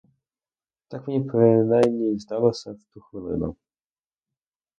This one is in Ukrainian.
Так мені принаймні здалося в ту хвилину.